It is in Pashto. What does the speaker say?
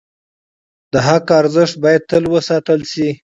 د حق ارزښت باید تل وساتل شي.